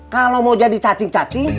kalau mau jadi cacing cacing